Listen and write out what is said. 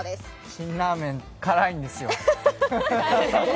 辛ラーメン、辛いんですよ。